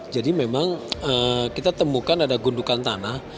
jadi memang kita temukan ada gundukan tanah